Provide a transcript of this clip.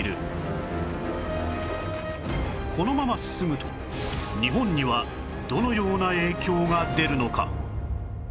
このまま進むと日本にはどのような影響が出るのか？